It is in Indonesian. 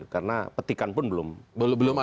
karena petikan pun belum